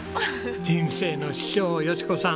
人生の師匠好子さん。